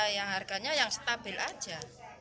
yang harganya yang stabil aja